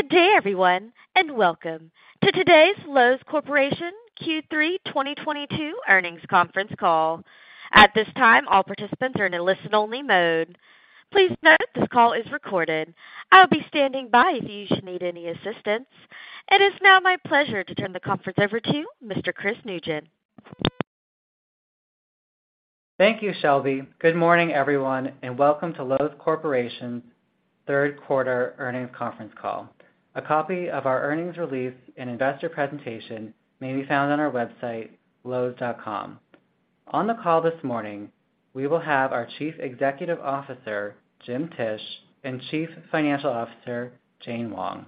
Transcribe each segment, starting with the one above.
Good day, everyone, and welcome to today's Loews Corporation Q3 2022 earnings conference call. At this time, all participants are in a listen-only mode. Please note this call is recorded. I'll be standing by if you should need any assistance. It is now my pleasure to turn the conference over to Mr. Chris Nugent. Thank you, Shelby. Good morning, everyone, and welcome to Loews Corporation's third quarter earnings conference call. A copy of our earnings release and investor presentation may be found on our website, loews.com. On the call this morning, we will have our Chief Executive Officer, Jim Tisch, and Chief Financial Officer, Jane Wang.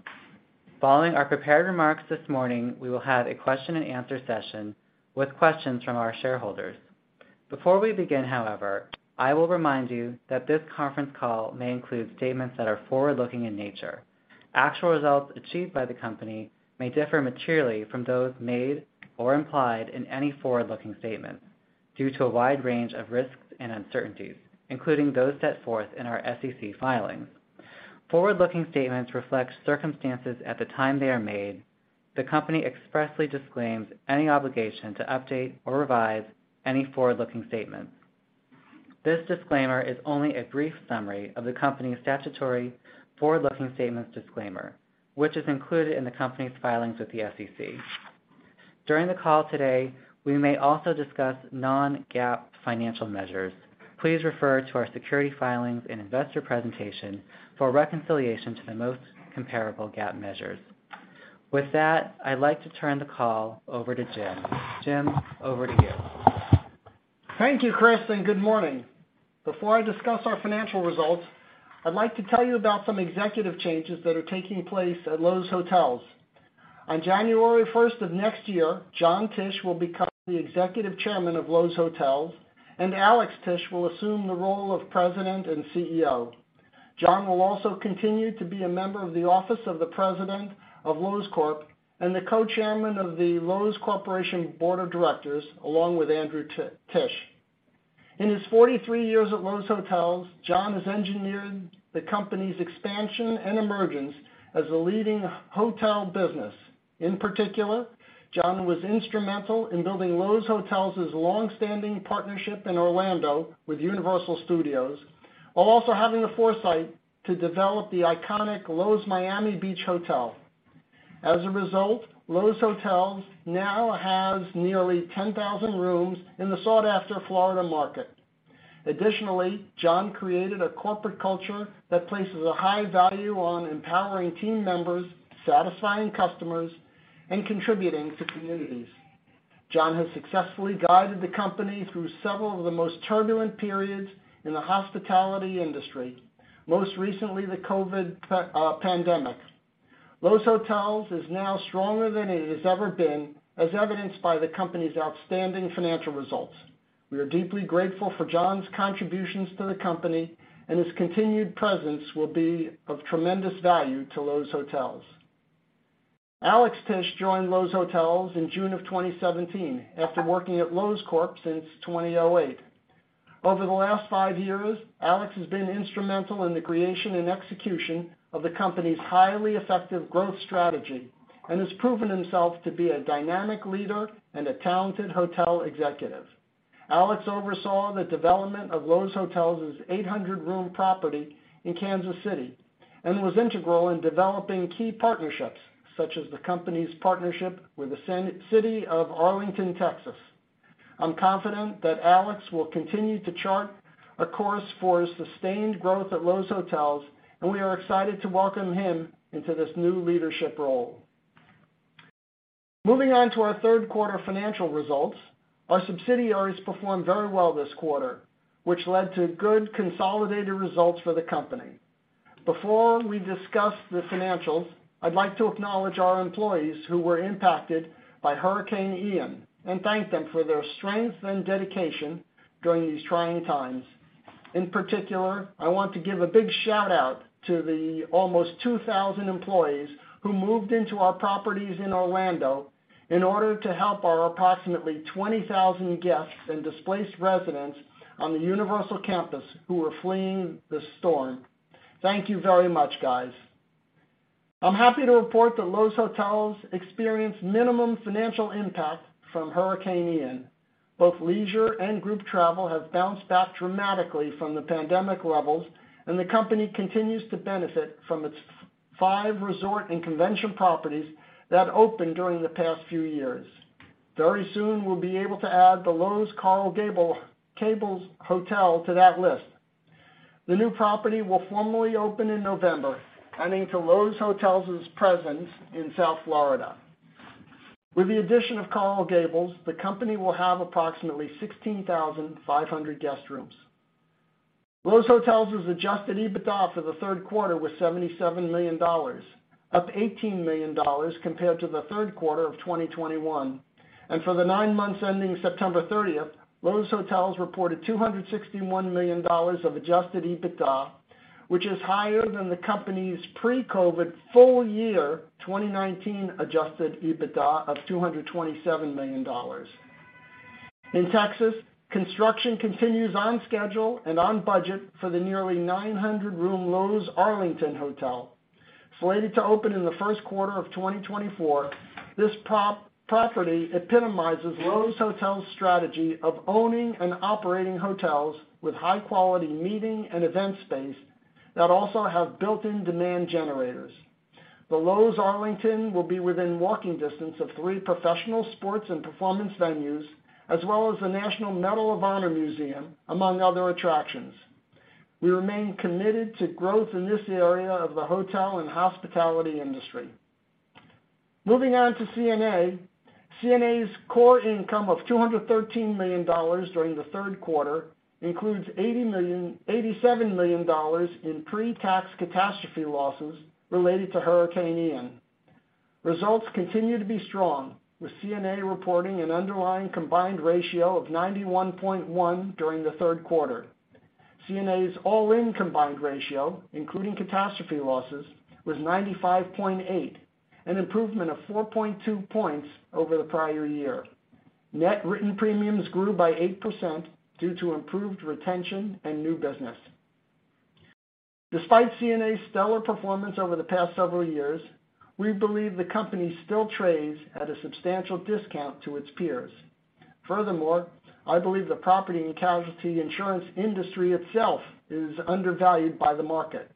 Following our prepared remarks this morning, we will have a question and answer session with questions from our shareholders. Before we begin, however, I will remind you that this conference call may include statements that are forward-looking in nature. Actual results achieved by the company may differ materially from those made or implied in any forward-looking statements due to a wide range of risks and uncertainties, including those set forth in our SEC filings. Forward-looking statements reflect circumstances at the time they are made. The company expressly disclaims any obligation to update or revise any forward-looking statements. This disclaimer is only a brief summary of the company's statutory forward-looking statements disclaimer, which is included in the company's filings with the SEC. During the call today, we may also discuss non-GAAP financial measures. Please refer to our securities filings and investor presentation for reconciliation to the most comparable GAAP measures. With that, I'd like to turn the call over to Jim. Jim, over to you. Thank you, Chris, and good morning. Before I discuss our financial results, I'd like to tell you about some executive changes that are taking place at Loews Hotels. On January 1st of next year, John Tisch will become the Executive Chairman of Loews Hotels and Alex Tisch will assume the role of President and CEO. John will also continue to be a member of the office of the President of Loews Corp and the Co-Chairman of the Loews Corporation board of directors, along with Andrew Tisch. In his 43 years at Loews Hotels, John has engineered the company's expansion and emergence as a leading hotel business. In particular, John was instrumental in building Loews Hotels' longstanding partnership in Orlando with Universal Studios, while also having the foresight to develop the iconic Loews Miami Beach Hotel. As a result, Loews Hotels now has nearly 10,000 rooms in the sought-after Florida market. Additionally, John created a corporate culture that places a high value on empowering team members, satisfying customers, and contributing to communities. John has successfully guided the company through several of the most turbulent periods in the hospitality industry, most recently the COVID pandemic. Loews Hotels is now stronger than it has ever been, as evidenced by the company's outstanding financial results. We are deeply grateful for John's contributions to the company and his continued presence will be of tremendous value to Loews Hotels. Alex Tisch joined Loews Hotels in June of 2017 after working at Loews Corp since 2008. Over the last five years, Alex has been instrumental in the creation and execution of the company's highly effective growth strategy and has proven himself to be a dynamic leader and a talented hotel executive. Alex oversaw the development of Loews Hotels' 800-room property in Kansas City and was integral in developing key partnerships such as the company's partnership with the City of Arlington, Texas. I'm confident that Alex will continue to chart a course for sustained growth at Loews Hotels, and we are excited to welcome him into this new leadership role. Moving on to our third quarter financial results, our subsidiaries performed very well this quarter, which led to good consolidated results for the company. Before we discuss the financials, I'd like to acknowledge our employees who were impacted by Hurricane Ian and thank them for their strength and dedication during these trying times. In particular, I want to give a big shout-out to the almost 2,000 employees who moved into our properties in Orlando in order to help our approximately 20,000 guests and displaced residents on the Universal campus who were fleeing the storm. Thank you very much, guys. I'm happy to report that Loews Hotels experienced minimum financial impact from Hurricane Ian. Both leisure and group travel have bounced back dramatically from the pandemic levels, and the company continues to benefit from its five resort and convention properties that opened during the past few years. Very soon, we'll be able to add the Loews Coral Gables Hotel to that list. The new property will formally open in November, adding to Loews Hotels' presence in South Florida. With the addition of Coral Gables, the company will have approximately 16,500 guest rooms. Loews Hotels' Adjusted EBITDA for the third quarter was $77 million, up $18 million compared to the third quarter of 2021. For the nine months ending September 30th, Loews Hotels reported $261 million of Adjusted EBITDA, which is higher than the company's pre-COVID full year 2019 Adjusted EBITDA of $227 million. In Texas, construction continues on schedule and on budget for the nearly 900-room Loews Arlington Hotel. Slated to open in the first quarter of 2024, this property epitomizes Loews Hotels' strategy of owning and operating hotels with high-quality meeting and event space that also have built-in demand generators. The Loews Arlington will be within walking distance of three professional sports and performance venues, as well as the National Medal of Honor Museum, among other attractions. We remain committed to growth in this area of the hotel and hospitality industry. Moving on to CNA. CNA's core income of $213 million during the third quarter includes $87 million in pre-tax catastrophe losses related to Hurricane Ian. Results continue to be strong, with CNA reporting an underlying combined ratio of 91.1 during the third quarter. CNA's all-in combined ratio, including catastrophe losses, was 95.8, an improvement of 4.2 points over the prior year. Net written premiums grew by 8% due to improved retention and new business. Despite CNA's stellar performance over the past several years, we believe the company still trades at a substantial discount to its peers. Furthermore, I believe the property and casualty insurance industry itself is undervalued by the market.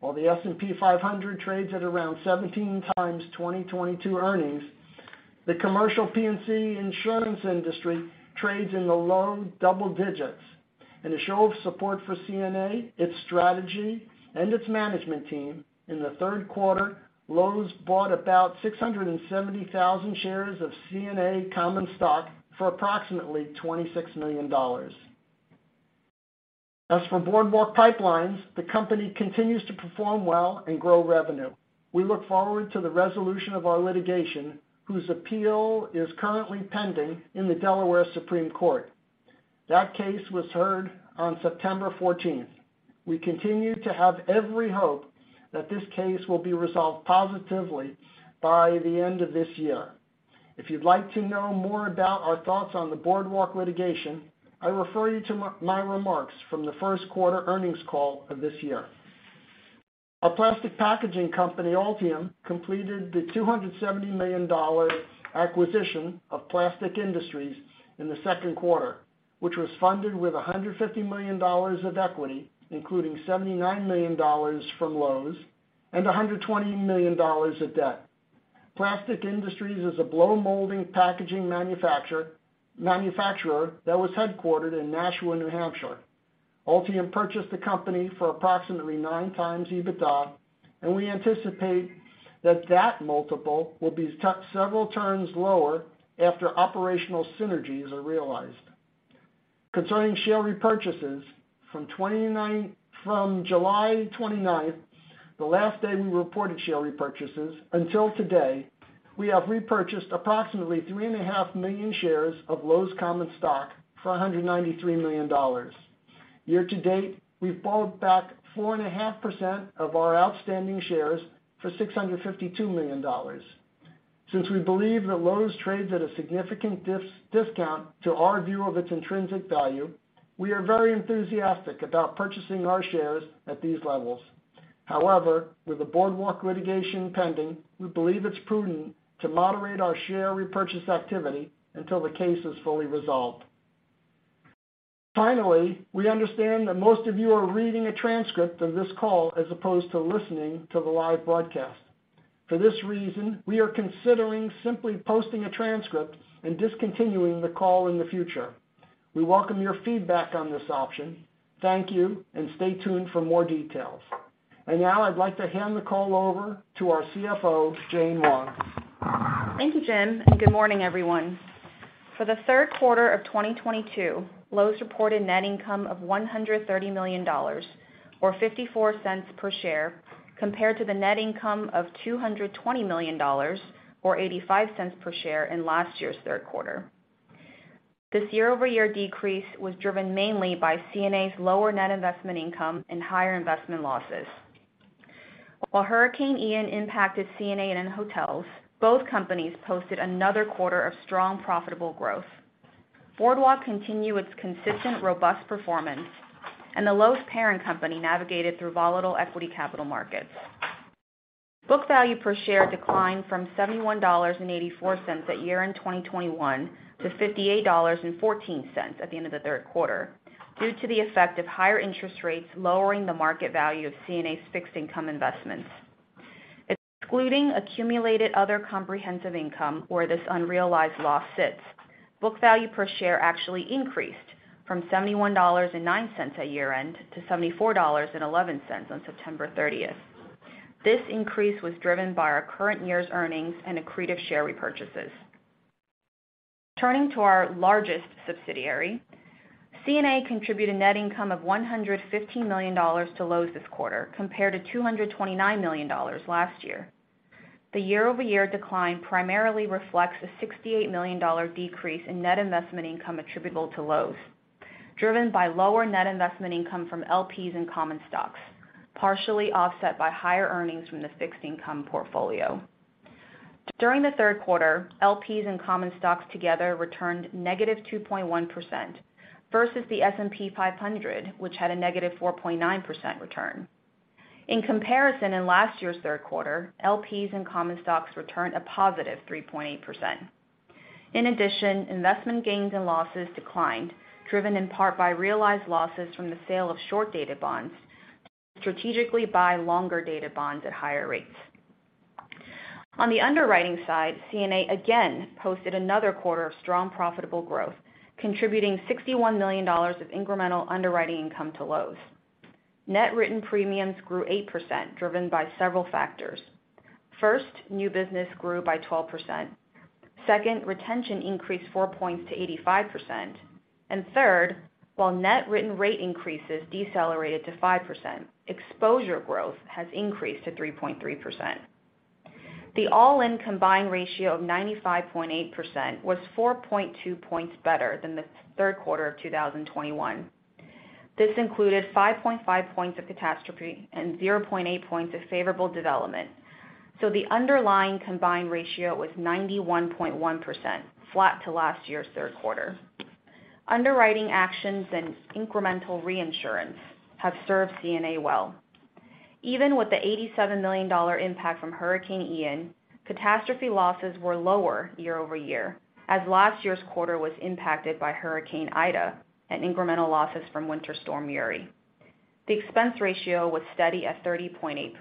While the S&P 500 trades at around 17x 2022 earnings, the commercial P&C insurance industry trades in the low double digits. In a show of support for CNA, its strategy, and its management team, in the third quarter, Loews bought about 670,000 shares of CNA common stock for approximately $26 million. As for Boardwalk Pipeline Partners, the company continues to perform well and grow revenue. We look forward to the resolution of our litigation, whose appeal is currently pending in the Delaware Supreme Court. That case was heard on September 14th. We continue to have every hope that this case will be resolved positively by the end of this year. If you'd like to know more about our thoughts on the Boardwalk litigation, I refer you to my remarks from the first quarter earnings call of this year. Our plastic packaging company, Altium, completed the $270 million acquisition of Plastic Industries in the second quarter, which was funded with $150 million of equity, including $79 million from Loews and $120 million of debt. Plastic Industries is a blow-molding packaging manufacturer that was headquartered in Nashua, New Hampshire. Altium purchased the company for approximately 9x EBITDA, and we anticipate that multiple will be several turns lower after operational synergies are realized. Concerning share repurchases, from July 29th, the last day we reported share repurchases, until today, we have repurchased approximately 3.5 million shares of Loews common stock for $193 million. Year-to-date, we've bought back 4.5% of our outstanding shares for $652 million. Since we believe that Loews trades at a significant discount to our view of its intrinsic value, we are very enthusiastic about purchasing our shares at these levels. However, with the Boardwalk litigation pending, we believe it's prudent to moderate our share repurchase activity until the case is fully resolved. Finally, we understand that most of you are reading a transcript of this call as opposed to listening to the live broadcast. For this reason, we are considering simply posting a transcript and discontinuing the call in the future. We welcome your feedback on this option. Thank you, and stay tuned for more details. Now I'd like to hand the call over to our CFO, Jane Wang. Thank you, Jim, and good morning, everyone. For the third quarter of 2022, Loews reported net income of $130 million, or $0.54 per share, compared to the net income of $220 million or $0.85 per share in last year's third quarter. This year-over-year decrease was driven mainly by CNA's lower net investment income and higher investment losses. While Hurricane Ian impacted CNA and Hotels, both companies posted another quarter of strong, profitable growth. Boardwalk continued its consistent, robust performance, and the Loews parent company navigated through volatile equity Capital Markets. Book value per share declined from $71.84 at year-end 2021 to $58.14 at the end of the third quarter due to the effect of higher interest rates lowering the market value of CNA's fixed income investments. Excluding accumulated other comprehensive income, where this unrealized loss sits, book value per share actually increased from $71.09 at year-end to $74.11 on September 30th. This increase was driven by our current year's earnings and accretive share repurchases. Turning to our largest subsidiary, CNA contributed net income of $115 million to Loews this quarter, compared to $229 million last year. The year-over-year decline primarily reflects a $68 million decrease in net investment income attributable to Loews, driven by lower net investment income from LPs and common stocks, partially offset by higher earnings from the fixed income portfolio. During the third quarter, LPs and common stocks together returned -2.1% versus the S&P 500, which had a -4.9% return. In comparison, in last year's third quarter, LPs and common stocks returned a positive 3.8%. In addition, investment gains and losses declined, driven in part by realized losses from the sale of short-dated bonds to strategically buy longer-dated bonds at higher rates. On the underwriting side, CNA again posted another quarter of strong profitable growth, contributing $61 million of incremental underwriting income to Loews. Net written premiums grew 8%, driven by several factors. First, new business grew by 12%. Second, retention increased 4 points to 85%. Third, while net written rate increases decelerated to 5%, exposure growth has increased to 3.3%. The all-in combined ratio of 95.8% was 4.2 points better than the third quarter of 2021. This included 5.5 points of catastrophe and 0.8 points of favorable development. The underlying combined ratio was 91.1%, flat to last year's third quarter. Underwriting actions and incremental reinsurance have served CNA well. Even with the $87 million impact from Hurricane Ian, catastrophe losses were lower year-over-year, as last year's quarter was impacted by Hurricane Ida and incremental losses from Winter Storm Uri. The expense ratio was steady at 30.8%.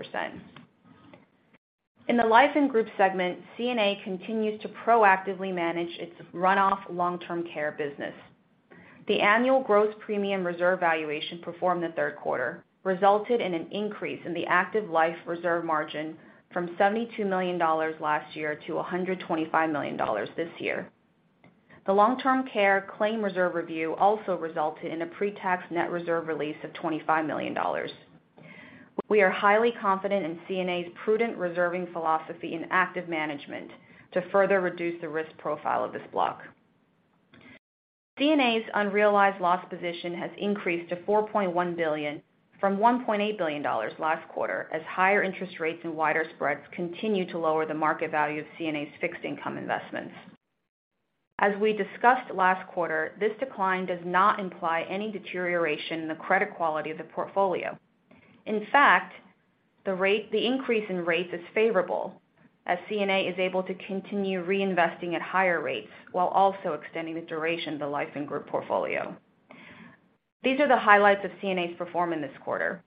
In the Life & Group segment, CNA continues to proactively manage its runoff long-term care business. The annual gross premium reserve valuation performed in the third quarter resulted in an increase in the active life reserve margin from $72 million last year to $125 million this year. The long-term care claim reserve review also resulted in a pre-tax net reserve release of $25 million. We are highly confident in CNA's prudent reserving philosophy and active management to further reduce the risk profile of this block. CNA's unrealized loss position has increased to $4.1 billion from $1.8 billion last quarter, as higher interest rates and wider spreads continue to lower the market value of CNA's fixed income investments. As we discussed last quarter, this decline does not imply any deterioration in the credit quality of the portfolio. In fact, the increase in rates is favorable as CNA is able to continue reinvesting at higher rates while also extending the duration of the Life & Group portfolio. These are the highlights of CNA's performance this quarter.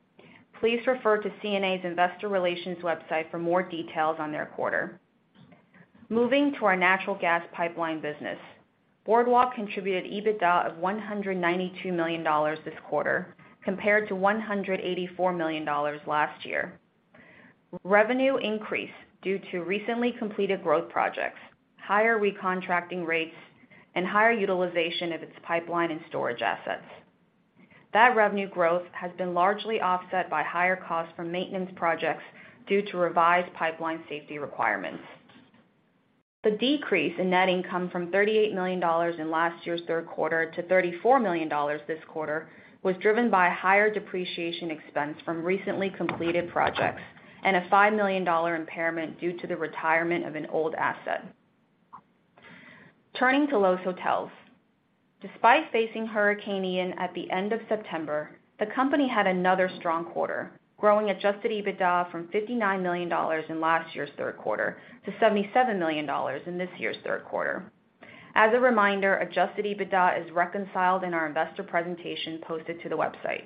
Please refer to CNA's Investor Relations website for more details on their quarter. Moving to our natural gas pipeline business. Boardwalk contributed EBITDA of $192 million this quarter compared to $184 million last year. Revenue increased due to recently completed growth projects, higher recontracting rates, and higher utilization of its pipeline and storage assets. That revenue growth has been largely offset by higher costs from maintenance projects due to revised pipeline safety requirements. The decrease in net income from $38 million in last year's third quarter to $34 million this quarter was driven by higher depreciation expense from recently completed projects and a $5 million impairment due to the retirement of an old asset. Turning to Loews Hotels. Despite facing Hurricane Ian at the end of September, the company had another strong quarter, growing Adjusted EBITDA from $59 million in last year's third quarter to $77 million in this year's third quarter. As a reminder, Adjusted EBITDA is reconciled in our investor presentation posted to the website.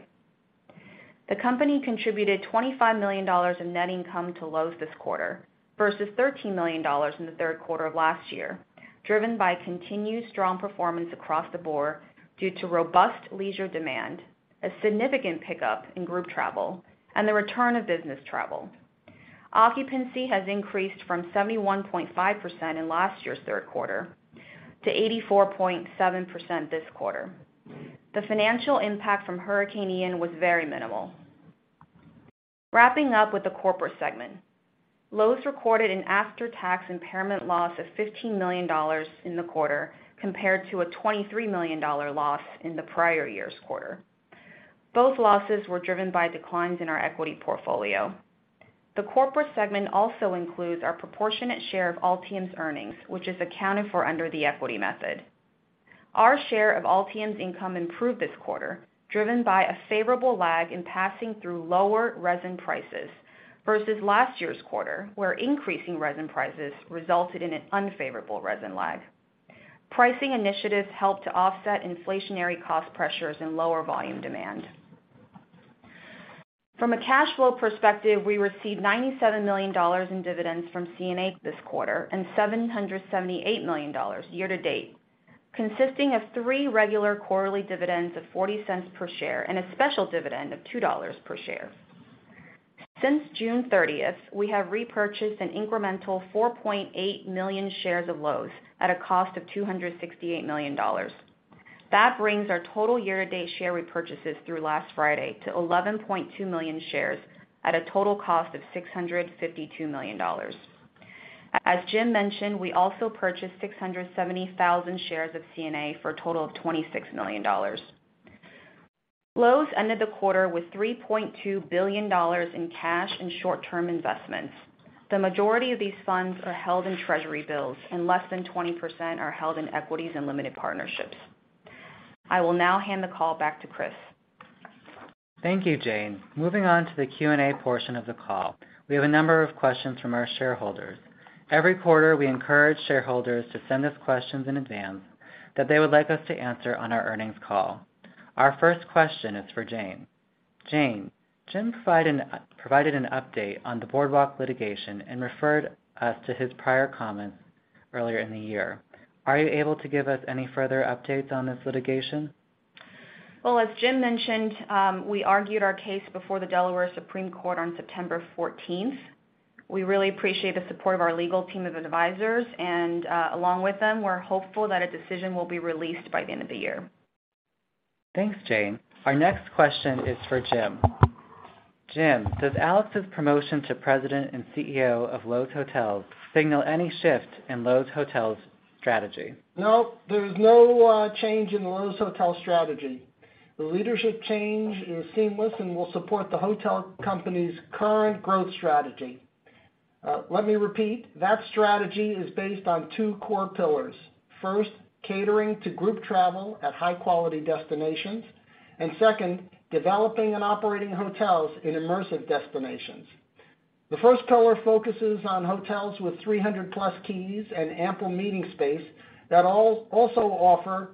The company contributed $25 million in net income to Loews this quarter versus $13 million in the third quarter of last year, driven by continued strong performance across the board due to robust leisure demand, a significant pickup in group travel, and the return of business travel. Occupancy has increased from 71.5% in last year's third quarter to 84.7% this quarter. The financial impact from Hurricane Ian was very minimal. Wrapping up with the Corporate segment, Loews recorded an after-tax impairment loss of $15 million in the quarter compared to a $23 million loss in the prior year's quarter. Both losses were driven by declines in our equity portfolio. The Corporate segment also includes our proportionate share of Altium's earnings, which is accounted for under the equity method. Our share of Altium's income improved this quarter, driven by a favorable lag in passing through lower resin prices versus last year's quarter, where increasing resin prices resulted in an unfavorable resin lag. Pricing initiatives helped to offset inflationary cost pressures and lower volume demand. From a cash flow perspective, we received $97 million in dividends from CNA this quarter and $778 million year-to-date, consisting of three regular quarterly dividends of $0.40 per share and a special dividend of $2 per share. Since June 30th, we have repurchased an incremental 4.8 million shares of Loews at a cost of $268 million. That brings our total year-to-date share repurchases through last Friday to 11.2 million shares at a total cost of $652 million. As Jim mentioned, we also purchased 670,000 shares of CNA for a total of $26 million. Loews ended the quarter with $3.2 billion in cash and short-term investments. The majority of these funds are held in treasury bills, and less than 20% are held in equities and limited partnerships. I will now hand the call back to Chris. Thank you, Jane. Moving on to the Q&A portion of the call. We have a number of questions from our shareholders. Every quarter, we encourage shareholders to send us questions in advance that they would like us to answer on our earnings call. Our first question is for Jane. Jane, Jim provided an update on the Boardwalk litigation and referred us to his prior comments earlier in the year. Are you able to give us any further updates on this litigation? Well, as Jim mentioned, we argued our case before the Delaware Supreme Court on September 14th. We really appreciate the support of our legal team of advisors and, along with them, we're hopeful that a decision will be released by the end of the year. Thanks, Jane. Our next question is for Jim. Jim, does Alex's promotion to President and CEO of Loews Hotels signal any shift in Loews Hotels' strategy? No, there's no change in Loews Hotels strategy. The leadership change is seamless and will support the hotel company's current growth strategy. Let me repeat, that strategy is based on two core pillars. First, catering to group travel at high-quality destinations, and second, developing and operating hotels in immersive destinations. The first pillar focuses on hotels with 300+ keys and ample meeting space that also offer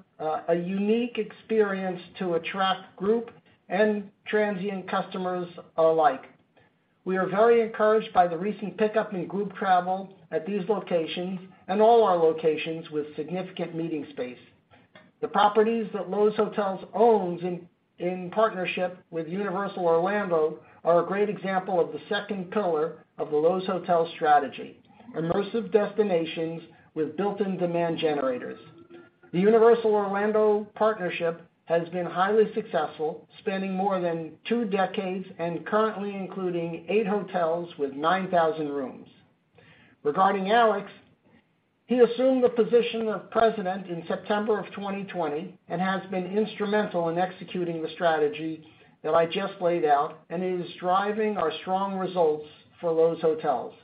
a unique experience to attract group and transient customers alike. We are very encouraged by the recent pickup in group travel at these locations and all our locations with significant meeting space. The properties that Loews Hotels owns in partnership with Universal Orlando are a great example of the second pillar of the Loews Hotels strategy, immersive destinations with built-in demand generators. The Universal Orlando partnership has been highly successful, spanning more than two decades and currently including eight hotels with 9,000 rooms. Regarding Alex, he assumed the position of president in September of 2020 and has been instrumental in executing the strategy that I just laid out, and he is driving our strong results for Loews Hotels.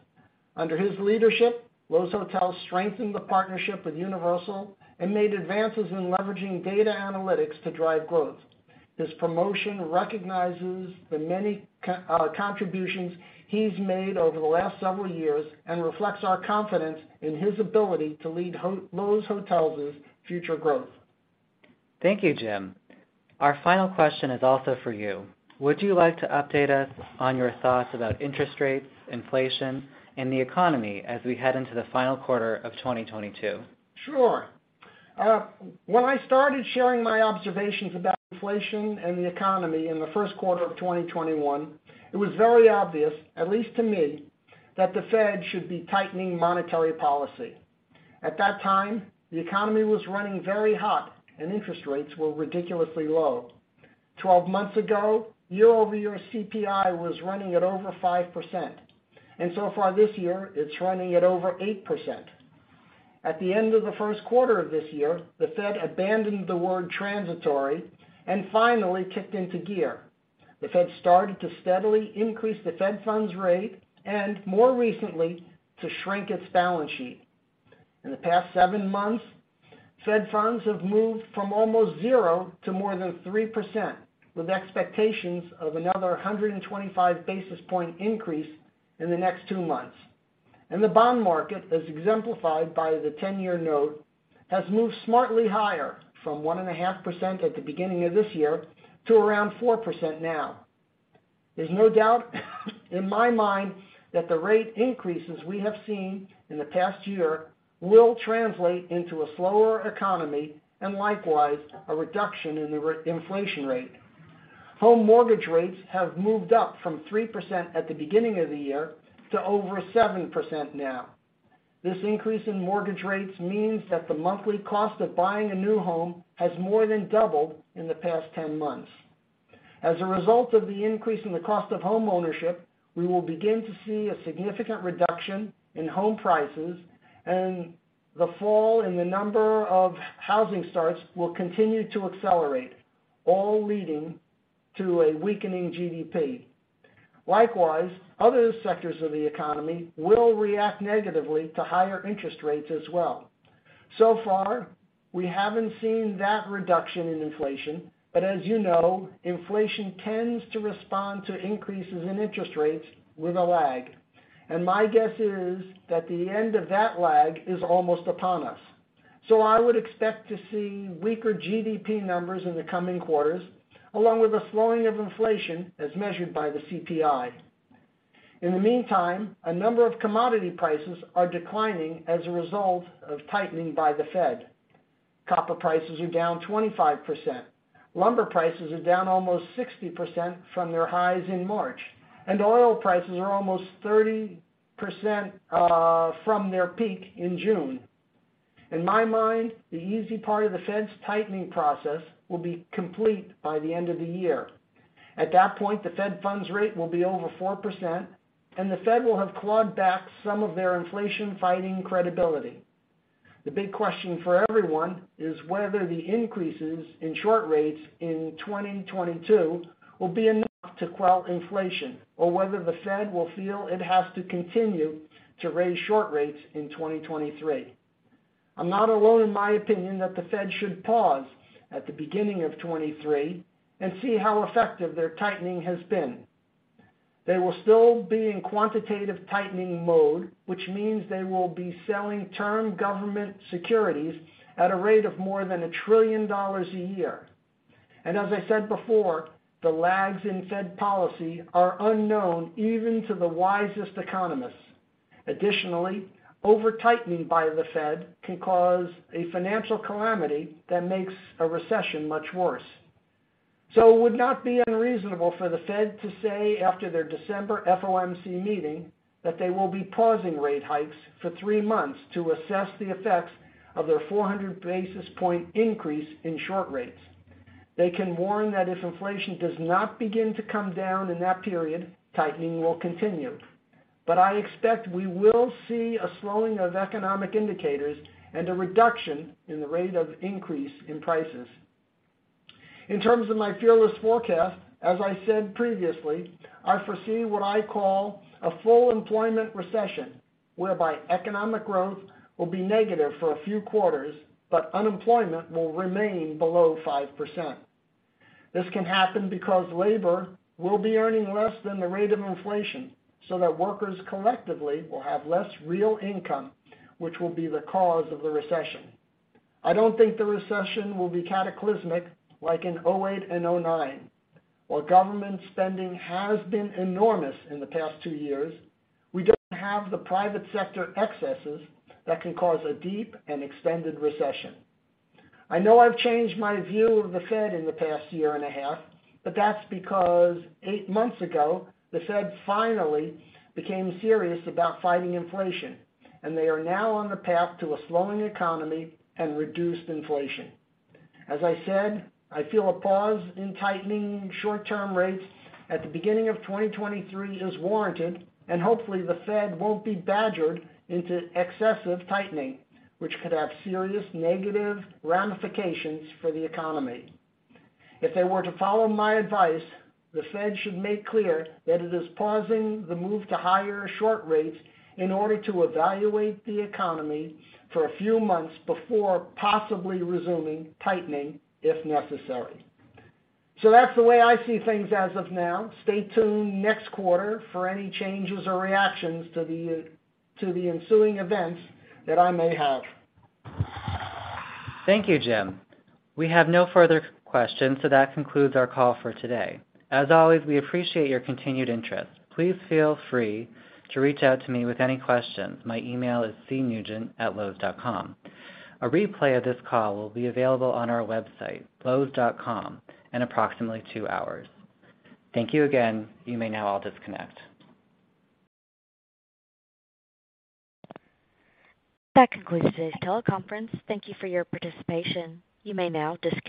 Under his leadership, Loews Hotels strengthened the partnership with Universal and made advances in leveraging data analytics to drive growth. His promotion recognizes the many contributions he's made over the last several years and reflects our confidence in his ability to lead Loews Hotels' future growth. Thank you, Jim. Our final question is also for you. Would you like to update us on your thoughts about interest rates, inflation, and the economy as we head into the final quarter of 2022? Sure. When I started sharing my observations about inflation and the economy in the first quarter of 2021, it was very obvious, at least to me, that the Fed should be tightening monetary policy. At that time, the economy was running very hot, and interest rates were ridiculously low. 12 months ago, year-over-year CPI was running at over 5%, and so far this year, it's running at over 8%. At the end of the first quarter of this year, the Fed abandoned the word transitory and finally kicked into gear. The Fed started to steadily increase the Fed funds rate and more recently, to shrink its balance sheet. In the past seven months, Fed funds have moved from almost zero to more than 3%, with expectations of another 125 basis point increase in the next two months. The bond market, as exemplified by the 10-year note, has moved smartly higher from 1.5% at the beginning of this year to around 4% now. There's no doubt in my mind that the rate increases we have seen in the past year will translate into a slower economy and likewise, a reduction in the inflation rate. Home mortgage rates have moved up from 3% at the beginning of the year to over 7% now. This increase in mortgage rates means that the monthly cost of buying a new home has more than doubled in the past 10 months. As a result of the increase in the cost of homeownership, we will begin to see a significant reduction in home prices, and the fall in the number of housing starts will continue to accelerate, all leading to a weakening GDP. Likewise, other sectors of the economy will react negatively to higher interest rates as well. So far, we haven't seen that reduction in inflation, but as you know, inflation tends to respond to increases in interest rates with a lag. My guess is that the end of that lag is almost upon us. I would expect to see weaker GDP numbers in the coming quarters, along with a slowing of inflation as measured by the CPI. In the meantime, a number of commodity prices are declining as a result of tightening by the Fed. Copper prices are down 25%. Lumber prices are down almost 60% from their highs in March, and oil prices are almost 30% from their peak in June. In my mind, the easy part of the Fed's tightening process will be complete by the end of the year. At that point, the Fed funds rate will be over 4%, and the Fed will have clawed back some of their inflation-fighting credibility. The big question for everyone is whether the increases in short rates in 2022 will be enough to quell inflation or whether the Fed will feel it has to continue to raise short rates in 2023. I'm not alone in my opinion that the Fed should pause at the beginning of 2023 and see how effective their tightening has been. They will still be in quantitative tightening mode, which means they will be selling term government securities at a rate of more than $1 trillion a year. As I said before, the lags in Fed policy are unknown even to the wisest economists. Additionally, over-tightening by the Fed can cause a financial calamity that makes a recession much worse. It would not be unreasonable for the Fed to say after their December FOMC meeting that they will be pausing rate hikes for three months to assess the effects of their 400 basis point increase in short rates. They can warn that if inflation does not begin to come down in that period, tightening will continue. I expect we will see a slowing of economic indicators and a reduction in the rate of increase in prices. In terms of my fearless forecast, as I said previously, I foresee what I call a full employment recession whereby economic growth will be negative for a few quarters, but unemployment will remain below 5%. This can happen because labor will be earning less than the rate of inflation so that workers collectively will have less real income which will be the cause of the recession. I don't think the recession will be cataclysmic like in 2008 and 2009. While government spending has been enormous in the past two years, we don't have the private sector excesses that can cause a deep and extended recession. I know I've changed my view of the Fed in the past year and a half, but that's because eight months ago the Fed finally became serious about fighting inflation and they are now on the path to a slowing economy and reduced inflation. As I said, I feel a pause in tightening short-term rates at the beginning of 2023 is warranted and hopefully the Fed won't be badgered into excessive tightening which could have serious negative ramifications for the economy. If they were to follow my advice, the Fed should make clear that it is pausing the move to higher short rates in order to evaluate the economy for a few months before possibly resuming tightening if necessary. That's the way I see things as of now. Stay tuned next quarter for any changes or reactions to the ensuing events that I may have. Thank you, Jim. We have no further questions so that concludes our call for today. As always, we appreciate your continued interest. Please feel free to reach out to me with any questions. My email is cnugent@loews.com. A replay of this call will be available on our website, loews.com in approximately two hours. Thank you again. You may now all disconnect. That concludes today's teleconference. Thank you for your participation. You may now disconnect.